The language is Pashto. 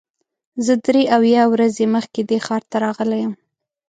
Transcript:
زه درې اویا ورځې مخکې دې ښار ته راغلی یم.